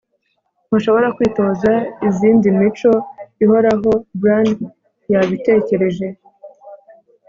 ntushobora kwitoza izindi mico ihoraho. bran yabitekereje